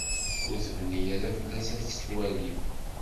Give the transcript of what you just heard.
Ur tebni ara fell-as ad tt-twali.